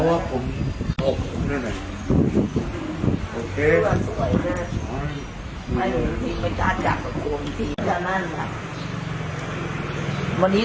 แกไม่พูดมาหนูดูดูจริง